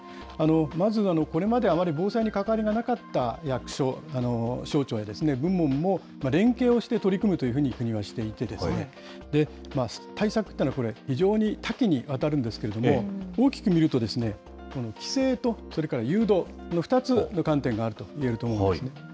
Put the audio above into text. まずはこれまであまり防災に関わりがなかった役所、省庁や部門も、連携をして取り組むというふうに組み合わせていて、対策というのはこれ、非常に多岐にわたるんですけれども、大きく見ると、規制とそれから誘導の２つの観点があると言えると思うんですね。